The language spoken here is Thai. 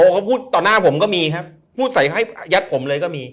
เขาพูดต่อหน้าผมก็มีครับพูดใส่ให้ยัดผมเลยก็มี